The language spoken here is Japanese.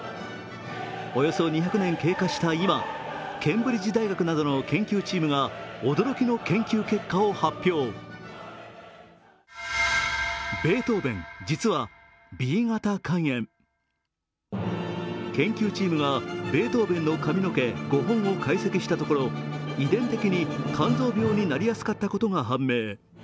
およそ２００年経過した今ケンブリッジ大学などの研究チームがベートーベンの髪の毛５本を解析したところ遺伝的に肝臓病になりやすかったことが判明。